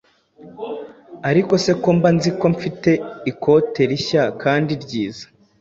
Arikose ko mba nzi ko mfite ikote rishya kandi ryiza